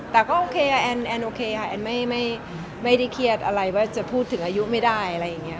แต่ก็โอเคแอนด์โอเคแอนด์ไม่ได้เครียดอะไรว่าจะพูดถึงอายุไม่ได้